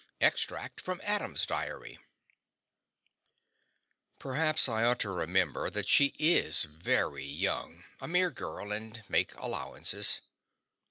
EXTRACT FROM ADAM'S DIARY Perhaps I ought to remember that she is very young, a mere girl and make allowances.